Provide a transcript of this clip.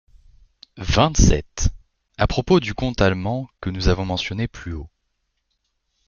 vingt-sept) à propos du conte allemand que nous avons mentionné plus haut.